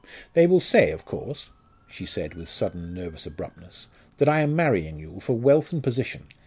"They will say, of course," she said with sudden nervous abruptness, "that I am marrying you for wealth and position.